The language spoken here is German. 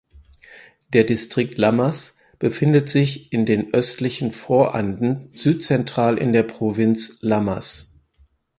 Der Distrikt Lamas befindet sich in den östlichen Voranden südzentral in der Provinz Lamas.